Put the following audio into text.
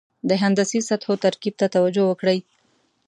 د هندسي سطحو ترکیب ته توجه وکړئ.